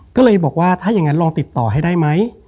ก็เลยบอกว่าถ้าอย่างนั้นลองติดต่อให้ได้ไหม